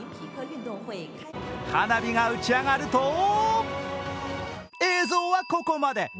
花火が打ち上がると映像はここまで。